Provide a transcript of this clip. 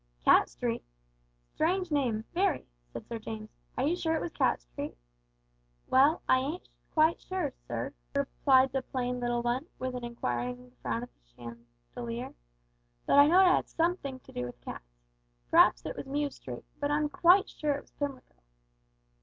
"Cat Street! Strange name very!" said Sir James. "Are you sure it was Cat Street?" "Well, I ain't quite sure, sir," replied the little plain one, with an inquiring frown at the chandelier, "but I know it 'ad somethink to do with cats. P'r'aps it was Mew Street; but I'm quite sure it was Pimlico."